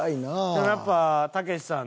でもやっぱたけしさんの。